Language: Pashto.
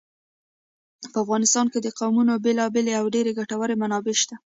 په افغانستان کې د قومونه بېلابېلې او ډېرې ګټورې منابع شته.